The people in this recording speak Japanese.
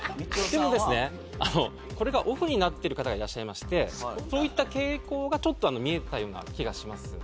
でもですねこれがオフになってる方がいらっしゃいましてそういった傾向がちょっと見えたような気がします。